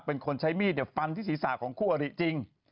เป็นคนใช้มีดฟันที่ศีรษะของคู่อริจริง